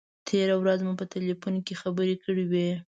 تېره ورځ مو په تیلفون کې خبرې کړې وې.